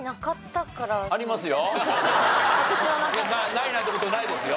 ないなんて事ないですよ。